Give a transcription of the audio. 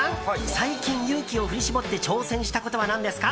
最近、勇気を振り絞って挑戦したことは何ですか？